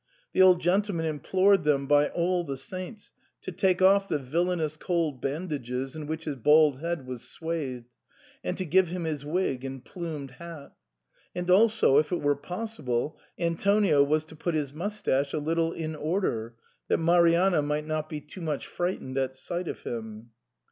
The old gentle man implored them by all the saints to take off the villainous cold bandages in which his bald head was swathed, and to give him his wig and plumed hat. And also, if it were possible, Antonio was to put his moustache a little in order, that Marianna might not be too much frightened at sight of him.